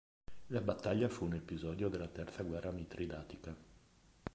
La battaglia fu un episodio della terza guerra mitridatica.